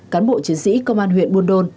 cán bộ chiến sĩ công an huyện buôn đôn